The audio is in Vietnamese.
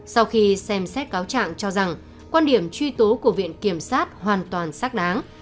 sau khi xem xét cáo trạng cho rằng quan điểm truy tố của viện kiểm sát hoàn toàn xác đáng